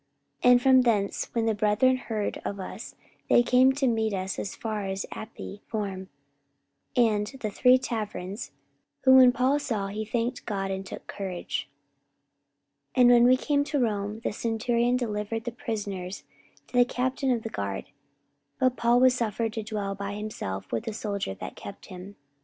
44:028:015 And from thence, when the brethren heard of us, they came to meet us as far as Appii forum, and The three taverns: whom when Paul saw, he thanked God, and took courage. 44:028:016 And when we came to Rome, the centurion delivered the prisoners to the captain of the guard: but Paul was suffered to dwell by himself with a soldier that kept him.